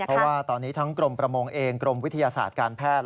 เพราะว่าตอนนี้ทั้งกรมประมงเองกรมวิทยาศาสตร์การแพทย์